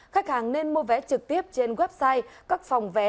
khách hàng nên mua vé trực tiếp trên website các phòng vé